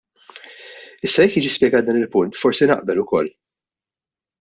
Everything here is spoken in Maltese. Issa jekk jiġi spjegat dan il-punt forsi naqbel ukoll.